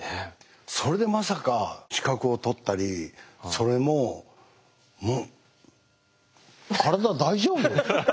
それでまさか資格を取ったりそれも体大丈夫？